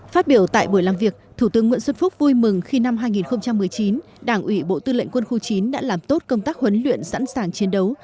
phát biểu tại buổi làm việc thủ tướng nguyễn xuân phúc vui mừng khi năm hai nghìn một mươi chín đảng ủy bộ tư lệnh quân khu chín đã làm tốt công tác huấn luyện sẵn sàng chiến đấu